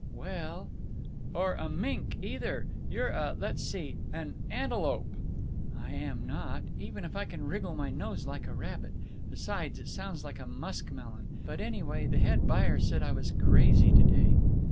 "Well—" "Or a mink, either. You're a—let's see—an antelope." "I am not! Even if I can wriggle my nose like a rabbit. Besides, it sounds like a muskmelon. But, anyway, the head buyer said I was crazy to day."